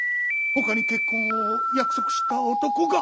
ほかに結婚を約束した男が。